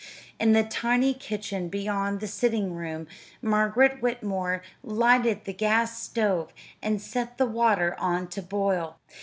In the tiny kitchen beyond the sitting room Margaret Whitmore lighted the gas stove and set the water on to boil.